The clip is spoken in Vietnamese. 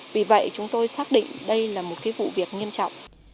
vì vậy chúng tôi xác định đây là một vụ việc nghiêm trọng